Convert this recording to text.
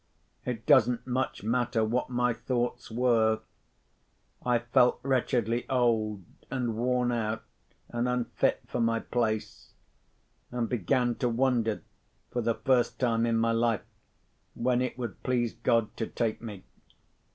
It doesn't much matter what my thoughts were. I felt wretchedly old, and worn out, and unfit for my place—and began to wonder, for the first time in my life, when it would please God to take me.